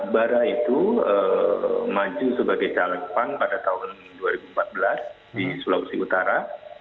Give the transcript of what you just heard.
bara itu maju sebagai caleg pan pada tahun dua ribu empat belas di sulawesi utara